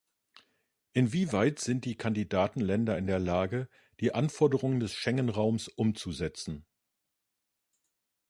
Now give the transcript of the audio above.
Inwieweit sind die Kandidatenländer in der Lage, die Anforderungen des Schengenraums umzusetzen?